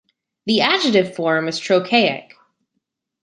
The adjective form is "trochaic".